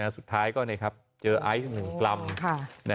สุดท้ายก็เจอไอ้หนึ่งกล่ำ